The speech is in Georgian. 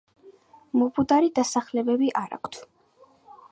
მობუდარი დასახლებები არ აქვთ.